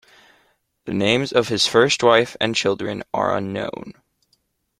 The names of his first wife and children are unknown.